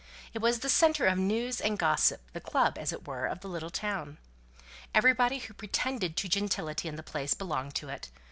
It was the centre of news, and the club, as it were, of the little town. Everybody who pretended to gentility in the place belonged to it.